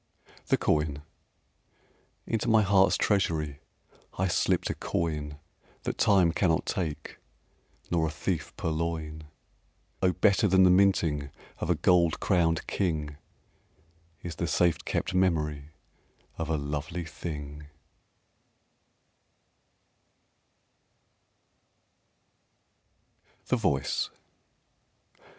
The Coin Into my heart's treasury I slipped a coin That time cannot take Nor a thief purloin, Oh better than the minting Of a gold crowned king Is the safe kept memory Of a lovely thing.